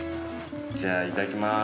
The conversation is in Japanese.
◆じゃあ、いただきまーす。